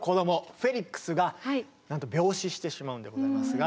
フェリックスがなんと病死してしまうんでございますが。